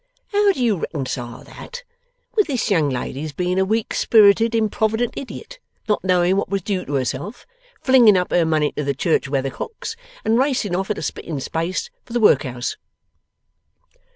'How do you reconcile that, with this young lady's being a weak spirited, improvident idiot, not knowing what was due to herself, flinging up her money to the church weathercocks, and racing off at a splitting pace for the workhouse?